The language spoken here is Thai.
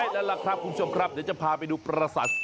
ขอลาไหล่พักครับคุณผู้ชมเดี๋ยวจะทำไปดูปราศาสตร์